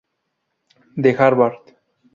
De Harvard.